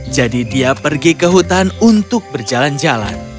jadi dia pergi ke hutan untuk berjalan jalan